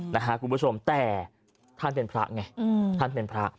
นะฮะคุณผู้ชมแต่ท่านเป็นพระไงอืมท่านเป็นพระ